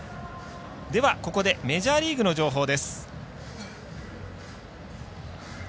では、ここでメジャーリーグの情報です。